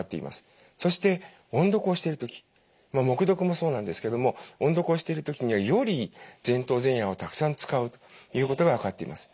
そして音読をしている時黙読もそうなんですけども音読をしている時にはより前頭前野をたくさん使うということが分かっています。